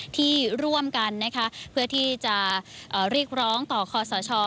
ที่ร่วมกันนะคะเพื่อที่จะเรียกร้องต่อคอสช